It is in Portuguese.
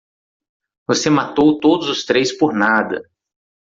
Você matou todos os três por nada.